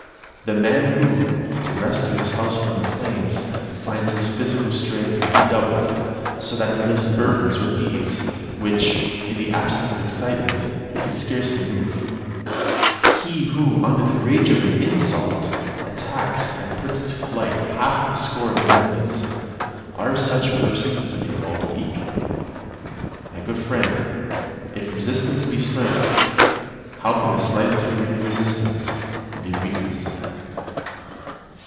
The man who, to rescue his house from the flames, finds his physical strength redoubled, so that he lifts burdens with ease, which, in the absence of excitement, he could scarcely move; he who, under the rage of an insult, attacks and puts to flight half a score of his enemies, are such persons to be called weak? My good friend, if resistance be strength, how can the highest degree of resistance be a weakness?"